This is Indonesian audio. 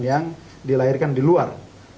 yang dilahirkan di luar